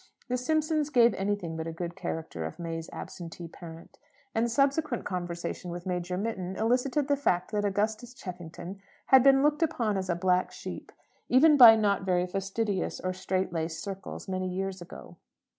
The Simpsons gave anything but a good character of May's absentee parent. And subsequent conversation with Major Mitton elicited the fact that Augustus Cheffington had been looked upon as a "black sheep" even by not very fastidious or strait laced circles many years ago.